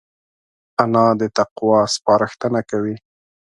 انا د تقوی سپارښتنه کوي